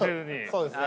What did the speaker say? そうですね。